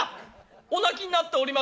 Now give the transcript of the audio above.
「お泣きになっておりますな」。